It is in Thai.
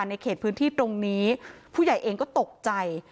ในเขตพื้นที่ตรงนี้ผู้ใหญ่เองก็ตกใจ